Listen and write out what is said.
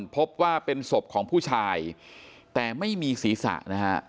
พบว่าเป็นศพของผู้ชายแต่ไม่มีศีรษะนะฮะ